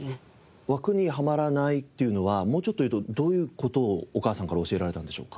枠にはまらないっていうのはもうちょっと言うとどういう事をお母さんから教えられたんでしょうか？